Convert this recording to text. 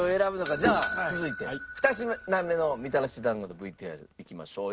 じゃあ続いて２品目のみたらし団子のＶＴＲいきましょう。